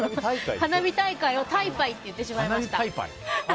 花火大会を「たいぱい」って言ってしまいました。